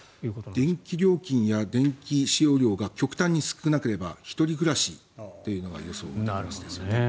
電気料金や電気使用量が極端に少なければ１人暮らしというのが予想できますよね。